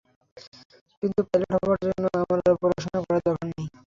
কিন্তু পাইলট হবার জন্য আমার আর পড়াশোনা করার দরকারই নেই।